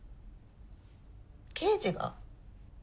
刑事が？